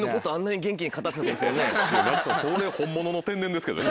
それ本物の天然ですけどね。